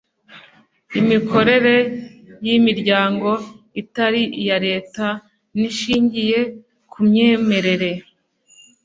imikorere y'imiryango itari iya leta n'ishingiye ku myemerere